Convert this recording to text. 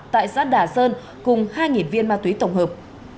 tại xã đà sơn cùng hai viên ma túy tổng hợp